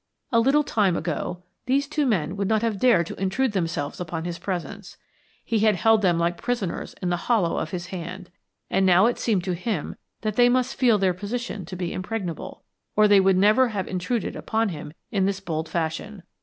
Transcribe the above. A little time ago, these two men would not have dared to intrude themselves upon his presence, he had held them like prisoners in the hollow of his hand; and now it seemed to him that they must feel their position to be impregnable, or they would never have intruded upon him in this bold fashion.